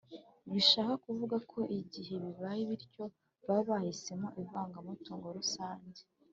bishaka kuvuga ko igihe bibaye bityo baba bahisemo ivangamutungo rusange.